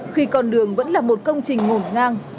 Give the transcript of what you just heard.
khi con đường vẫn là một công trình ngổn ngang